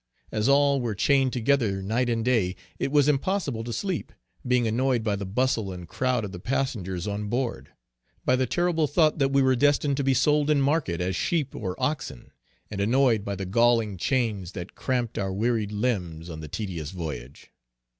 As all were chained together night and day, it was impossible to sleep, being annoyed by the bustle and crowd of the passengers on board; by the terrible thought that we were destined to be sold in market as sheep or oxen; and annoyed by the galling chains that cramped our wearied limbs on the tedious voyage.